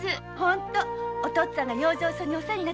お父っつぁんが養生所にお世話になったとき以来ね。